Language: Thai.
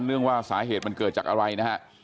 เรื่องว่าสาเหตุมันเกิดจากอะไรนะฮะ